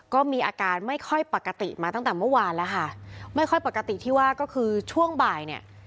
ก็มีอาการไม่ค่อยปกติมาตั้งแต่เมื่อวานแล้วค่ะไม่ค่อยปกติที่ว่าก็คือช่วงบ่ายเนี่ย